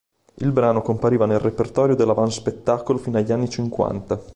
Il brano compariva nel repertorio dell'avanspettacolo fino agli anni cinquanta.